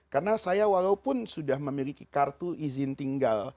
karena saya walaupun sudah memiliki kartu izin tinggal